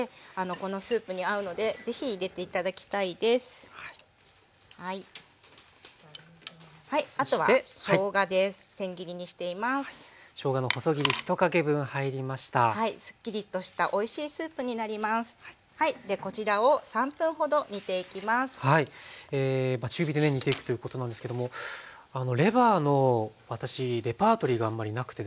こちらを中火でね煮ていくということなんですけどもレバーの私レパートリーがあんまりなくてですね